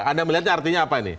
anda melihatnya artinya apa ini